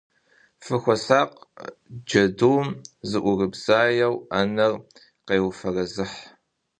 Фыхуэсакъ, джэдум, зыӏурыбзаеу, ӏэнэр къеуфэрэзыхь.